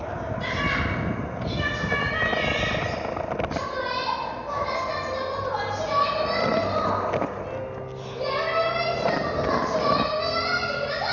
たとえわたしたちのことはきらいになってもレオレオ駅のことはきらいにならないでください！